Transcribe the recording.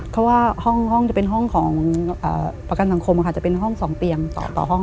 เพราะว่าห้องจะเป็นห้องของประกันสังคมค่ะจะเป็นห้อง๒เตียงต่อห้อง